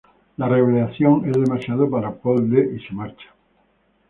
La revelación es demasiado para Paul D y se marcha.